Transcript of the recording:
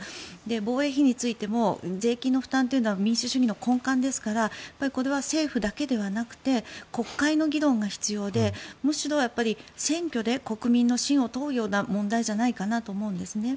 防衛費についても税金の負担というのは民主主義の根幹ですからこれは政府だけではなくて国会の議論が必要でむしろ、選挙で国民の信を問うような問題じゃないかなと思うんですね。